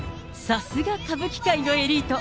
さすが歌舞伎界のエリート。